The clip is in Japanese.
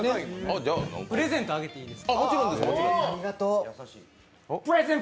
プレゼントあげていいですか。